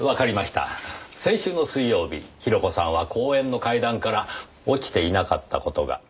先週の水曜日広子さんは公園の階段から落ちていなかった事が。